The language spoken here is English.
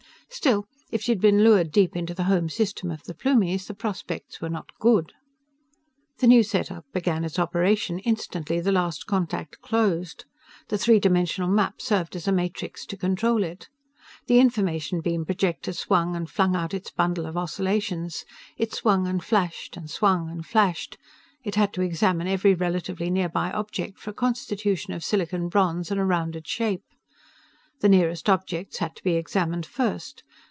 Still, if she'd been lured deep into the home system of the Plumies, the prospects were not good. The new setup began its operation, instantly the last contact closed. The three dimensional map served as a matrix to control it. The information beam projector swung and flung out its bundle of oscillations. It swung and flashed, and swung and flashed. It had to examine every relatively nearby object for a constitution of silicon bronze and a rounded shape. The nearest objects had to be examined first.